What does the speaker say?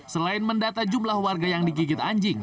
selain mendata jumlah warga yang digigit anjing